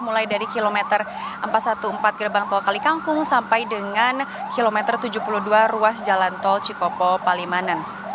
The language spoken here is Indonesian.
mulai dari kilometer empat ratus empat belas gerbang tol kalikangkung sampai dengan kilometer tujuh puluh dua ruas jalan tol cikopo palimanan